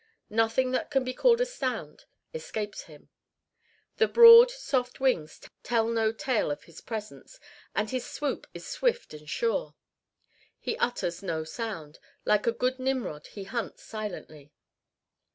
Nothing that can be called a sound escapes them. The broad, soft wings tell no tale of his presence, and his swoop is swift and sure. He utters no sound. Like a good Nimrod he hunts silently.